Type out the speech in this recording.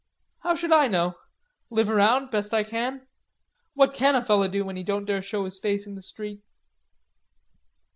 "How should I know? Live around best I can. What can a feller do when he don't dare show his face in the street?"